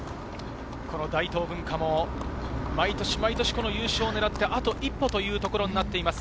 大東文化も毎年毎年、優勝をねらってあと一歩というところになっています。